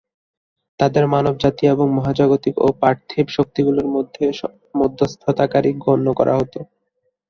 তাঁদের মানবজাতি এবং মহাজাগতিক ও পার্থিব শক্তিগুলির মধ্যে মধ্যস্থতাকারী গণ্য করা হত।